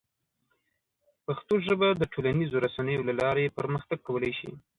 پښتو ژبه د ټولنیزو رسنیو له لارې پرمختګ کولی شي.